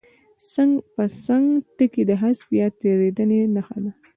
څنګ پر څنګ ټکي د حذف یا تېرېدنې نښه ده.